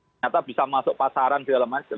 ternyata bisa masuk pasaran dan sebagainya